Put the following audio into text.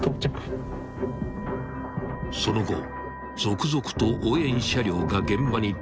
［その後続々と応援車両が現場に到着］